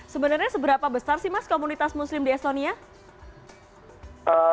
sebenarnya seberapa besar sih mas komunitas muslim di estonia